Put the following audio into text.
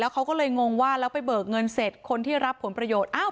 เขาก็เลยงงว่าแล้วไปเบิกเงินเสร็จคนที่รับผลประโยชน์